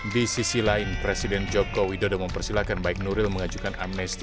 di sisi lain presiden joko widodo mempersilahkan baik nuril mengajukan amnesti